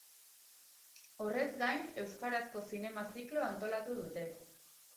Horrez gain, euskarazko zinema zikloa antolatu dute.